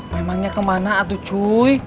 memangnya kemana atuh cuy